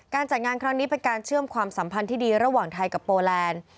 จัดงานครั้งนี้เป็นการเชื่อมความสัมพันธ์ที่ดีระหว่างไทยกับโปแลนด์